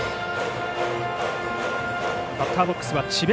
バッターボックスは智弁